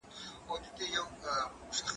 زه به اوږده موده پوښتنه کړې وم؟